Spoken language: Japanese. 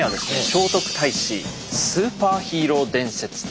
「聖徳太子スーパーヒーロー伝説」です。